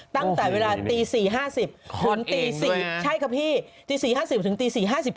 ตั้งแต่เวลาตี๔๕๐ถึงตี๔๕๙